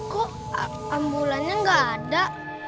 kok ambulannya gak ada